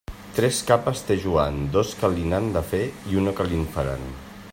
Tres capes té Joan, dos que li n'han de fer i una que li'n faran.